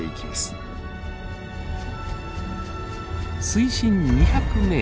水深２００ｍ。